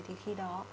thì khi đó